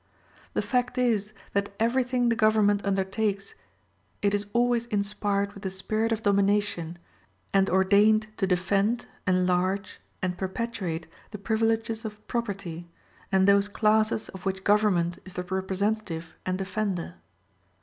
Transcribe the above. The fact is that everything the government undertakes it is always inspired with the spirit of domination, and ordained to defend, enlarge, and perpetuate the privileges of property, and those classes of which government is the representative and defender.